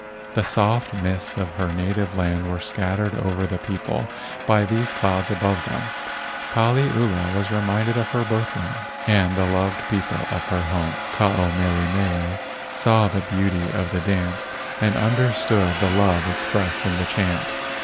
The soft mists of her native land were scattered over the people by these clouds above them. Paliula was reminded of her birth land and the loved people of her home. Ke ao mele mele saw the beauty of the dance and understood the love expressed in the chant.